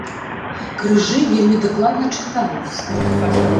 Крыжы вельмі дакладна чытаюцца!